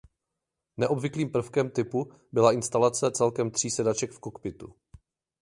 Neobvyklým prvkem typu byla instalace celkem tří sedaček v kokpitu.